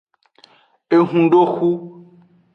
Ehundoxu.